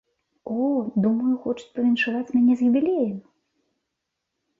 О, думаю, хочуць павіншаваць мяне з юбілеем.